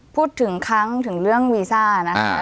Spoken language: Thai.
พูดถึงครั้งถึงเรื่องวีซ่านะ